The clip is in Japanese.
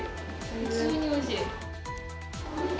普通においしい。